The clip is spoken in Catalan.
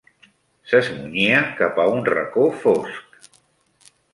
S'esmunyia cap a un reco fosc